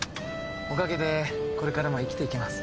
おかげでこれからも生きていけます。